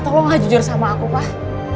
tolonglah jujur sama aku mah